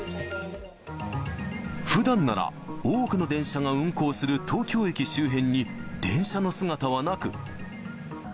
ふだんなら多くの電車が運行する東京駅周辺に、電車の姿はなく。